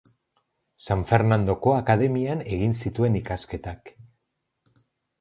San Fernandoko Akademian egin zituen ikasketak.